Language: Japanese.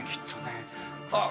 あっ！